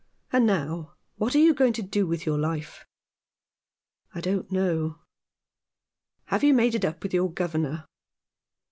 And now, what are you going to do with your life ?"" I don't know." " Have you made it up with your governor